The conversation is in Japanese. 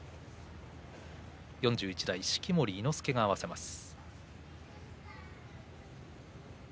式守伊之助が合わせます。